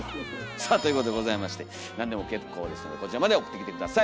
さあということでございまして何でも結構ですのでこちらまで送ってきて下さい。